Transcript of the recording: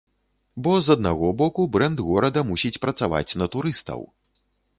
Бо, з аднаго боку, брэнд горада мусіць працаваць на турыстаў.